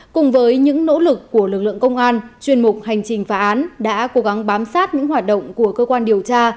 cùng với những nỗ lực của lực lượng công an chuyên mục hành trình phá án đã cố gắng bám sát những hoạt động của cơ quan điều tra